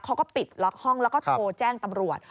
เขาก็ปิดล็อกห้องแล้วก็โทรแจ้งตำรวจ